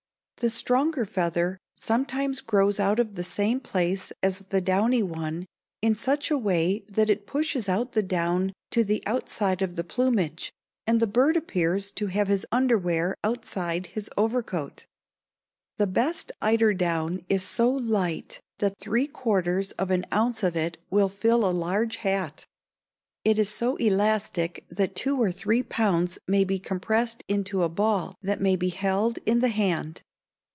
The stronger feather sometimes grows out of the same place as the downy one in such a way that it pushes out the down to the outside of the plumage and the bird appears to have his underwear outside his overcoat. The best eider down is so light that three quarters of an ounce of it will fill a large hat. It is so elastic that two or three pounds may be compressed into a ball that may be held in the hand.